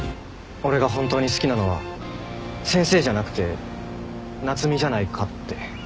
俺が本当に好きなのは先生じゃなくて夏海じゃないかって。